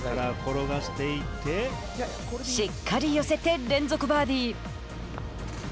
しっかり寄せて連続バーディー。